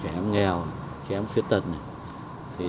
trẻ em nghèo trẻ em khuyết tật